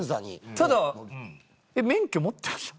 ただ免許持ってました？